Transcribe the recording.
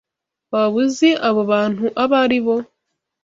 Waba uzi abo bantu abo ari bo?